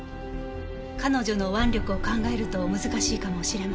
彼女の腕力を考えると難しいかもしれません。